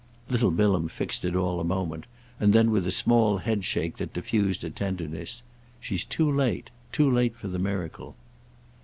Little Bilham fixed it all a moment, and then with a small headshake that diffused a tenderness: "She's too late. Too late for the miracle."